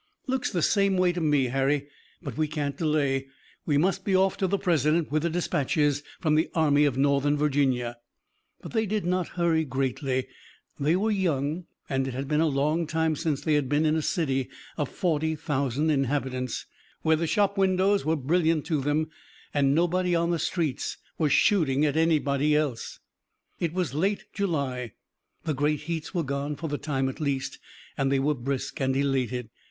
"Looks the same way to me, Harry, but we can't delay. We must be off to the President, with the dispatches from the Army of Northern Virginia." But they did not hurry greatly. They were young and it had been a long time since they had been in a city of forty thousand inhabitants, where the shop windows were brilliant to them and nobody on the streets was shooting at anybody else. It was late July, the great heats were gone for the time at least, and they were brisk and elated.